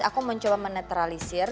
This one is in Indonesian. aku mencoba menetralisir